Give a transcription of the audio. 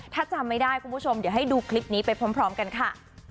ถ้าจำไม่ได้คุณผู้ชมเดี๋ยวให้ดูคลิปนี้ไปพร้อมกันค่ะ